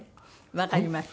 わかりました。